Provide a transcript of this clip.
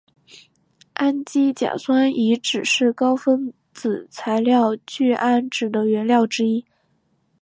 氨基甲酸乙酯是高分子材料聚氨酯的原料之一。